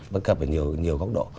bất cập ở nhiều góc độ